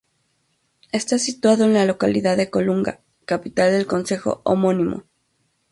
Está situado en la localidad de Colunga, capital del concejo homónimo.